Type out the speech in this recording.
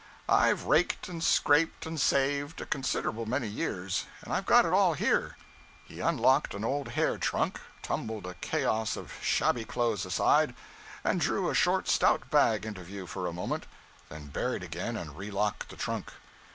I've raked and scraped and saved, a considerable many years, and I've got it all here.' He unlocked an old hair trunk, tumbled a chaos of shabby clothes aside, and drew a short stout bag into view for a moment, then buried it again and relocked the trunk.